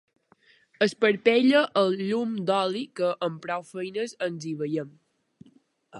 Esparpella el llum d'oli, que amb prou feines ens hi veiem.